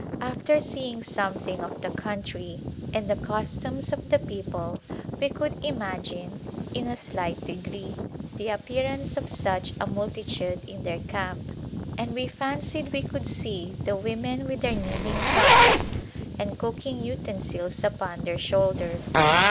After seeing something of the country and the customs of the people we could imagine, in a slight degree, the ap pearance of such a multitude in their camp, and we fancied we could see the women with their kneading troughs and cooking utensils upon their shoulders.